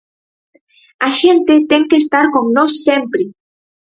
A xente ten que estar con nós sempre.